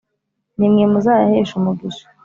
nimwe muzayahesha umugisha !